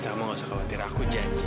kamu gak usah khawatir aku janji